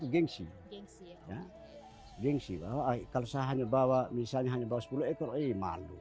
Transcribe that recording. jengsi bahwa kalau saya hanya bawa sepuluh ekor malu